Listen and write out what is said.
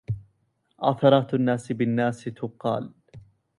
عثرات الناس بالناس تقال